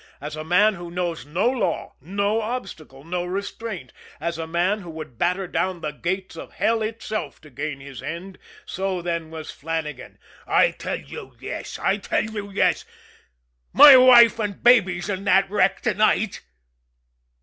As a man who knows no law, no obstacle, no restraint, as a man who would batter down the gates of hell itself to gain his end, so then was Flannagan. "I tell you, yes! I tell you, yes! _My wife and baby's in that wreck to night?